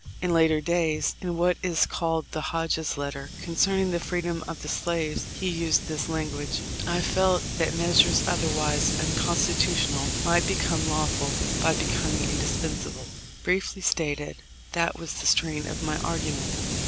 In later days, in what is called the Hodges letter, concerning the freedom of the slaves, he used this language : "I felt that measures otherwise unconstitutional might become lawful by becoming indispensable." Briefly stated, that was the strain of my argument.